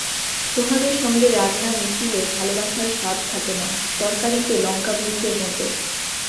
সোহাগের সঙ্গে রাগ না মিশিলে ভালোবাসার স্বাদ থাকে না–তরকারিতে লঙ্কামরিচের মতো।